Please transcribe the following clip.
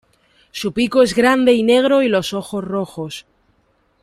Su pico es grande y negro y los ojos rojos.